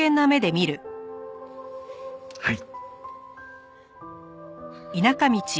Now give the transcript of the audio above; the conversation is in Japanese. はい。